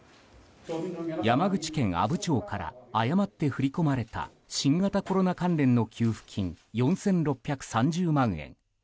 山口県阿武町から誤って振り込まれた新型コロナ関連の給付金４６３０万円。